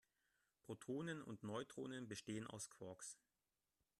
Protonen und Neutronen bestehen aus Quarks.